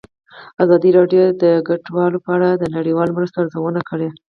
ازادي راډیو د کډوال په اړه د نړیوالو مرستو ارزونه کړې.